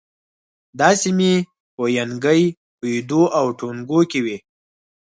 دا سیمې په ینګی، کویدو او ټونګو کې وې.